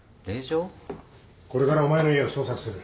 これからお前の家を捜索する。